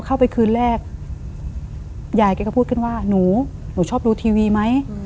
คืนแรกยายแกก็พูดขึ้นว่าหนูหนูชอบดูทีวีไหม